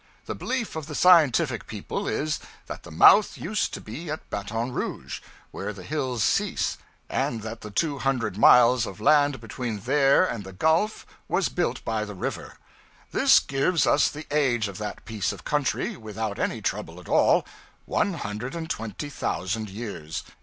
The belief of the scientific people is, that the mouth used to be at Baton Rouge, where the hills cease, and that the two hundred miles of land between there and the Gulf was built by the river. This gives us the age of that piece of country, without any trouble at all one hundred and twenty thousand years.